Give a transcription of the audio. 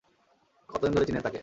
কতদিন ধরে চিনেন তাকে?